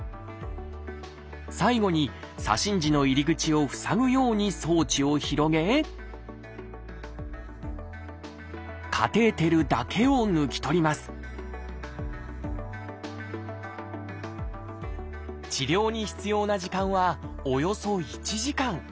最後に左心耳の入り口を塞ぐように装置を広げカテーテルだけを抜き取ります治療に必要な時間はおよそ１時間。